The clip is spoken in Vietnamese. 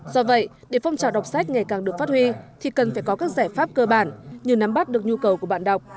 do vậy để phong trào đọc sách ngày càng được phát huy thì cần phải có các giải pháp cơ bản như nắm bắt được nhu cầu của bạn đọc